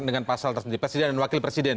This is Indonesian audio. dengan pasal presiden dan wakil presiden ya